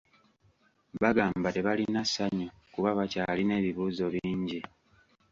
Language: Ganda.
Bagamba tebalina ssanyu kuba bakyalina ebibuuzo bingi.